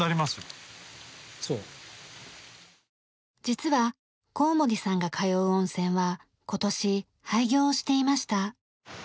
実は幸森さんが通う温泉は今年廃業をしていました。